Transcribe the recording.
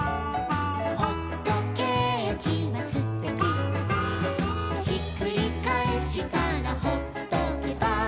「ほっとけーきはすてき」「ひっくりかえしたらほっとけば」